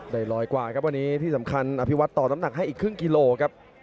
ร้อยกว่าครับวันนี้ที่สำคัญอภิวัตต่อน้ำหนักให้อีกครึ่งกิโลครับ